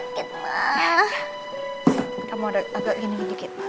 kamu udah agak gini gini dikit